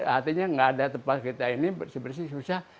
artinya nggak ada tempat kita ini bersih bersih susah